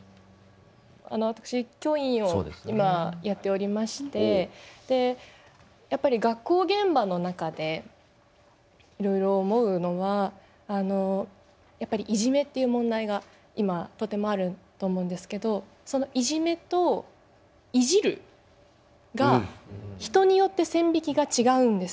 あの私教員を今やっておりましてやっぱり学校現場の中でいろいろ思うのはやっぱりいじめっていう問題が今とてもあると思うんですけどそのいじめといじるが人によって線引きが違うんですよ。